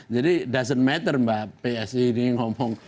jadi doesn't matter mbak psi ini ngomong